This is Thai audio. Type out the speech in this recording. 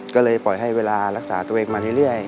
ก็เลยปล่อยให้เวลารักษาตัวเองมาเรื่อย